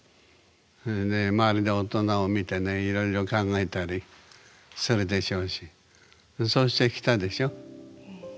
それで周りの大人を見てねいろいろ考えたりするでしょうしそうしてきたでしょ。